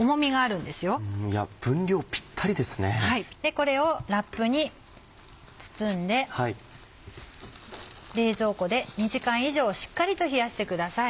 これをラップに包んで冷蔵庫で２時間以上しっかりと冷やしてください。